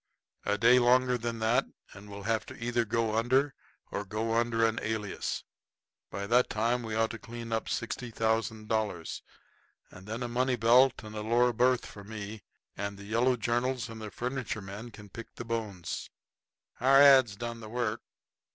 "A day longer than that and we'll have to either go under or go under an alias. By that time we ought to clean up $60,000. And then a money belt and a lower berth for me, and the yellow journals and the furniture men can pick the bones." Our ads. done the work.